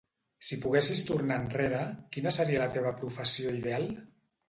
Si poguessis tornar enrere, quina seria la teva professió ideal?